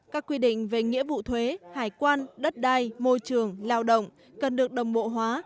các quy định về nghĩa vụ thuế hải quan đất đai môi trường lao động cần được đồng bộ hóa